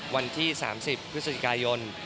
วันที่๓๐พฤศจิกายน